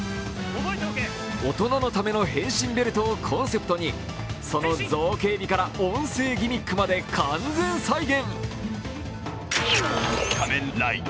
大人のための変身ベルトをコンセプトにその造形美から音声ギミックまで完全再現。